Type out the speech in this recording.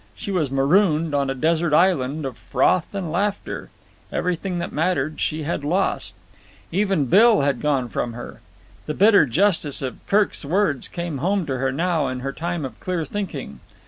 She was marooned on a desert island of froth and laughter. Everything that mattered she had lost. Even Bill had gone from her. The bitter justice of Kirk's words came home to her now in her time of clear thinking.